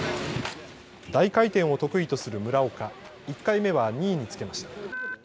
大回転を得意とする村岡、１回目は２位につけました。